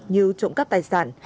như trộm cắp tài sản